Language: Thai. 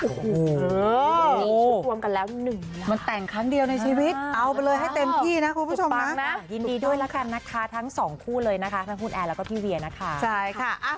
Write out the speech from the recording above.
วันความกันแล้ว๑ล้านหนึ่งแต่งครั้งเดียวในชีวิตเอาไปเลยให้เต็มกี้นะคุณผมมึงยินดีด้วย